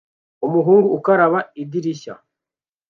Umuhungu ukaraba idirishya